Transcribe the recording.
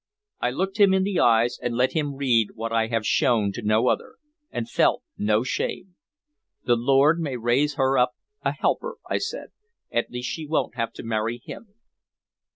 I looked him in the eyes, and let him read what I would have shown to no other, and felt no shame. "The Lord may raise her up a helper," I said. "At least she won't have to marry him."